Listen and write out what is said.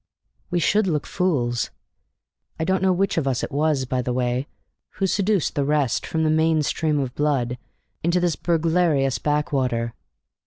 "We should look fools. I don't know which of us it was, by the way, who seduced the rest from the main stream of blood into this burglarious backwater.